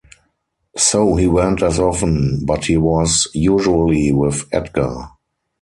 So he went as often, but he was usually with Edgar.